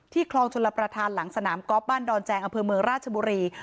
คลองชลประธานหลังสนามกอล์ฟบ้านดอนแจงอำเภอเมืองราชบุรี